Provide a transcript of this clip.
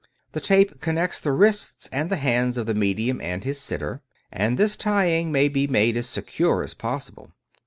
The tape connects the wrists and the hands of the medium and his sitter, and this tying may be made as secure as possible.